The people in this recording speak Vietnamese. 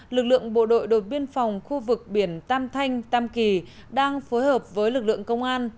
lực lượng bộ đội biên phòng khu vực biển tam thanh tam kỳ đang phối hợp với lực lượng công an